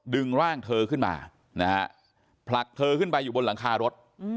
ดึงร่างเธอขึ้นมานะฮะผลักเธอขึ้นไปอยู่บนหลังคารถ